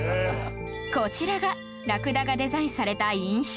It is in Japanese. こちらがラクダがデザインされた印章